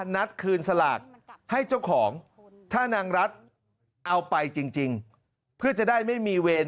นัดคืนสลากให้เจ้าของถ้านางรัฐเอาไปจริงเพื่อจะได้ไม่มีเวร